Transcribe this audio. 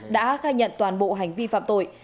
đã khai nhận toàn bộ hành vi phạm tội